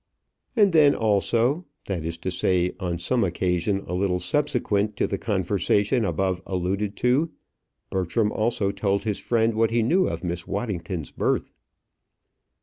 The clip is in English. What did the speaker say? And then, also that is to say, on some occasion a little subsequent to the conversation above alluded to Bertram also told his friend what he knew of Miss Waddington's birth.